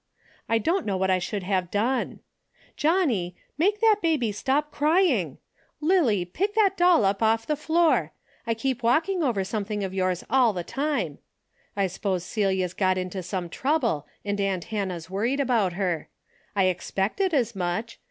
I don't know what I should have done. Johnnie, make that baby stop crying ! Lillie, pick that doll up off the floor ! I keep walking over something of yours all the time. I s'pose Celia's got into some trouble and aunt Hannah's worried about her. I expected as much.